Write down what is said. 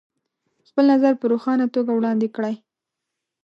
خپل نظر په روښانه توګه وړاندې کړئ.